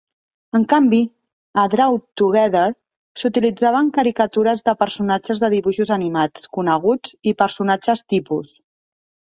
En canvi, a "Drawn Together", s'utilitzaven caricatures de personatges de dibuixos animats coneguts i personatges tipus.